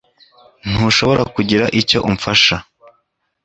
Ntushobora kugira icyo umfasha